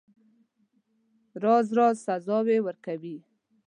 راز راز سزاوي ورکوي.